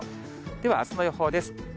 では、あすの予報です。